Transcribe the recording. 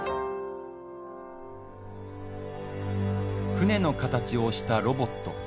船の形をしたロボット。